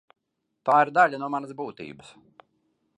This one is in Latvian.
Tā ir daļa no manas būtības.